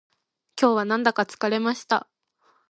今日はなんだか疲れました